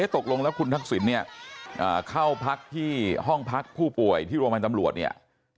ตกลงแล้วคุณทักษิณเนี่ยเข้าพักที่ห้องพักผู้ป่วยที่โรงพยาบาลตำรวจเนี่ย